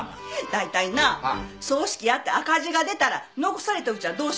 だいたいな葬式やって赤字が出たら残されたうちはどうしますの？